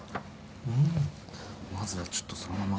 まずはちょっとそのまま。